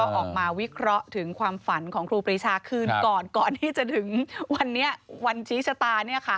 ออกมาวิเคราะห์ถึงความฝันของครูปรีชาคืนก่อนก่อนที่จะถึงวันนี้วันชี้ชะตา